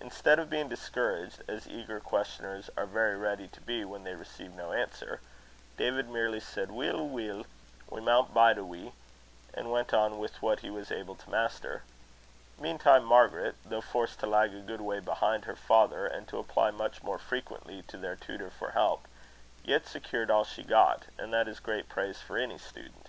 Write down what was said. Instead of being discouraged, as eager questioners are very ready to be when they receive no answer, David merely said, "Weel, weel, we maun bide a wee," and went on with what he was able to master. Meantime Margaret, though forced to lag a good way behind her father, and to apply much more frequently to their tutor for help, yet secured all she got; and that is great praise for any student.